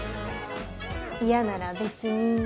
嫌なら別に。